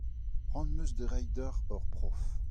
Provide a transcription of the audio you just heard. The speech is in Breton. C'hoant am eus da reiñ deoc'h ur prof.